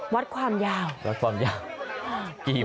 วัดความยาววัดความยาวกี่เมตร